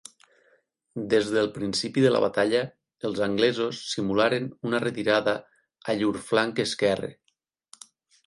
Des del principi de la batalla, els anglesos simularen una retirada a llur flanc esquerre.